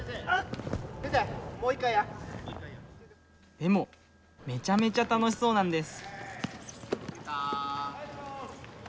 でもめちゃめちゃ楽しそうなんです。